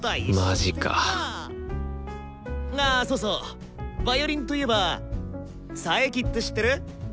マジかあそうそうヴァイオリンといえば佐伯って知ってる？